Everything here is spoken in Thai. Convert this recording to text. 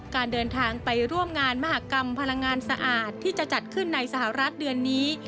การเดินทางไปร่วมงานมหากรรมพลังงานสะอาดที่จะจัดขึ้นในสหรัฐเดือนนี้